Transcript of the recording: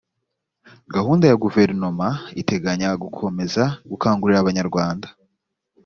gahunda ya guverinoma iteganya gukomeza gukangurira abanyarwanda